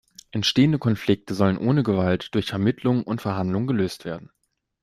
Entstehende Konflikte sollen ohne Gewalt, durch Vermittlungen und Verhandlungen gelöst werden.